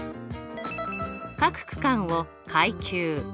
各区間を階級。